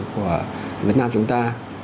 của việt nam chúng ta